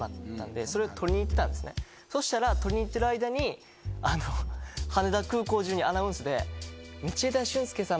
そしたら取りに行ってる間に羽田空港中にアナウンスで。